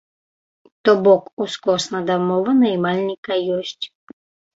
То бок, ускосна дамова наймальніка ёсць.